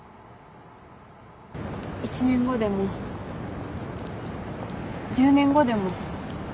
１年後でも１０年後でも。